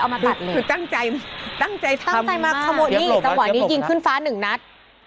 เอามาตัดเลยคือตั้งใจตั้งใจทำมากตั้งใจมาเข้ามานี่จังหวะนี้ยิงขึ้นฟ้าหนึ่งนัด